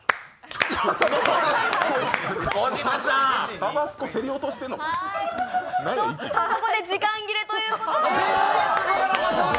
ちょっとここで時間切れということで。